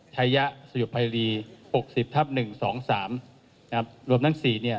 ชายะสยุพรี๖๐ทับ๑๒๓รวมทั้ง๔